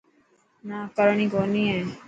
نا ڪرڻي ڪونهي هي.